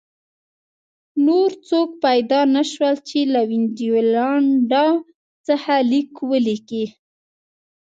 نور څوک پیدا نه شول چې له وینډولانډا څخه لیک ولیکي